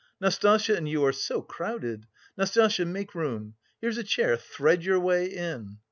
Nastasya and you are so crowded. Nastasya, make room. Here's a chair, thread your way in!"